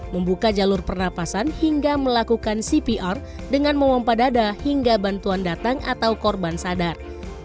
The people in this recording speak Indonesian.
membuka jalur pernafasan hingga melakukan cpr dengan memompadada hingga bantuan datang atau korban sadar